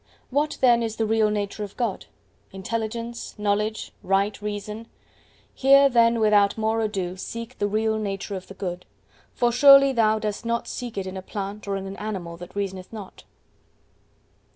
What then is the real nature of God?—Intelligence, Knowledge, Right Reason. Here then without more ado seek the real nature of the Good. For surely thou dost not seek it in a plant or in an animal that reasoneth not.